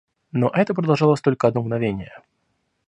Но это продолжалось только одно мгновение.